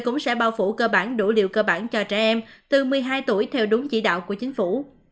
cũng sẽ bao phủ cơ bản đồ điều cơ bản cho trẻ em từ một mươi hai tuổi theo đúng chỉ đạo của chính phủ